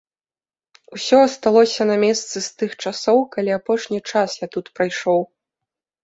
Усё асталося на месцы з тых часоў, калі апошні час я тут прайшоў.